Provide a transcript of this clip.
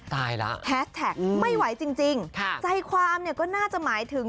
ตายแล้วแฮสแท็กไม่ไหวจริงจริงค่ะใจความเนี่ยก็น่าจะหมายถึง